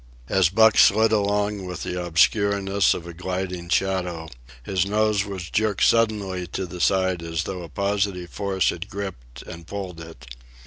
As Buck slid along with the obscureness of a gliding shadow, his nose was jerked suddenly to the side as though a positive force had gripped and pulled it.